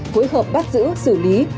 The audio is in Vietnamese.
phối hợp bắt giữ xử lý